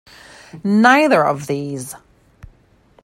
Neither of these.